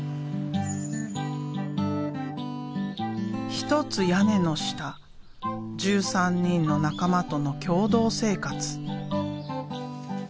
一つ屋根の下１３人の仲間との共同生活。